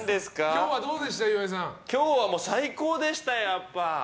今日はもう、最高でしたよ。